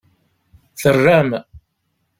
Terram.